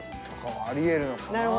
とかはありえるのかな。